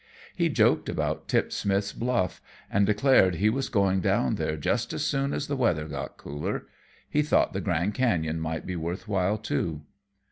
He joked about Tip Smith's Bluff, and declared he was going down there just as soon as the weather got cooler; he thought the Grand Cañon might be worth while, too.